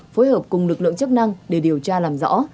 phối hợp cùng lực lượng chức năng để điều tra làm rõ